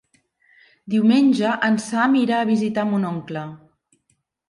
Diumenge en Sam irà a visitar mon oncle.